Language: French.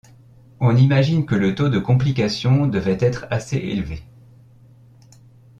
On imagine que le taux de complication devait être assez élevé.